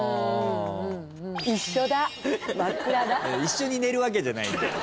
一緒に寝るわけじゃないんで。